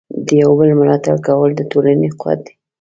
د یو بل ملاتړ کول د ټولنې قوت دی.